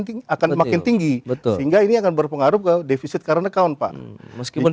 tinggi akan makin tinggi sehingga ini akan berpengaruh ke defisit karena account pak meskipun